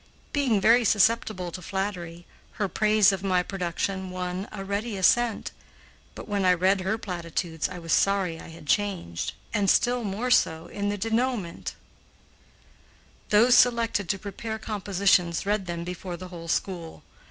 Being very susceptible to flattery, her praise of my production won a ready assent; but when I read her platitudes I was sorry I had changed, and still more so in the denouement. Those selected to prepare compositions read them before the whole school.